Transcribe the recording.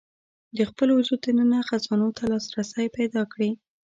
د خپل وجود دننه خزانو ته لاسرسی پيدا کړي.